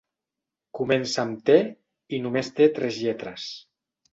Comença amb te i només té tres lletres.